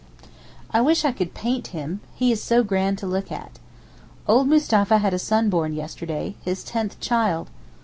I wish I could paint him; he is so grand to look at. Old Mustapha had a son born yesterday—his tenth child.